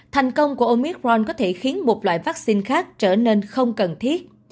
thành công của omicron có thể khiến một loại vaccine khác trở nên không cần thiết